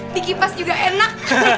dikipas juga enak